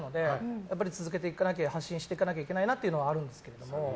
やっぱり続けていかないと発信していかなきゃいけないなというのはあるんですけど。